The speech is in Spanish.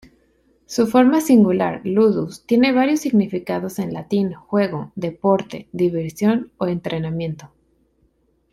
Su forma singular, "ludus" tiene varios significados en latín "juego", "deporte", "diversión" o "entrenamiento".